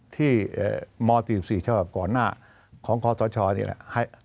ที่ม๔๔ฉบับก่อนหน้าของคศนี่แหละ